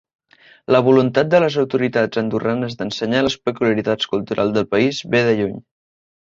La voluntat de les autoritats andorranes d'ensenyar les peculiaritats culturals del país ve de lluny.